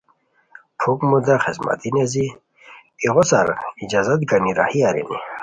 پُھک مودا خسمتی نیزی ایغو سار اجازت گانی راہی ارینی